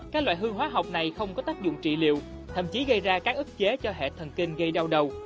các loại hương hóa học này không có tác dụng trị liệu thậm chí gây ra các ức chế cho hệ thần kinh gây đau đầu